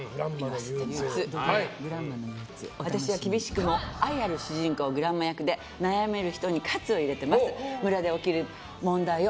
私は厳しくも愛のある主人公グランマ役で悩める人に活を入れています。